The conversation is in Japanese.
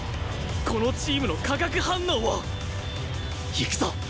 このチームの化学反応を！いくぞ！